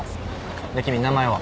で君名前は？